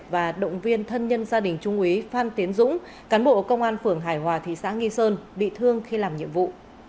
và động viên thân nhân gia đình trung úy phan tiến dũng cán bộ công an phường hải hòa thị xã nghi sơn bị thương khi làm nhiệm vụ